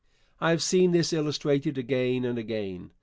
I have seen this illustrated again and again.